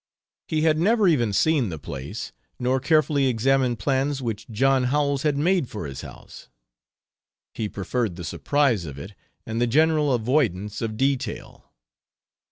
He had never even seen the place nor carefully examined plans which John Howells had made for his house. He preferred the surprise of it, and the general avoidance of detail.